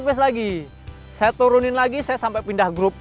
face lagi saya turunin lagi saya sampai pindah grup